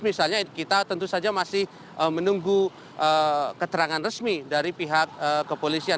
misalnya kita tentu saja masih menunggu keterangan resmi dari pihak kepolisian